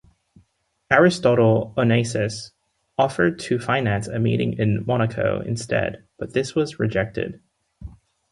Aristotle Onassis offered to finance a meeting in Monaco instead, but this was rejected.